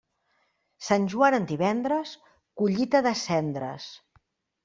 Sant Joan en divendres, collita de cendres.